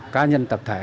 cá nhân tập thể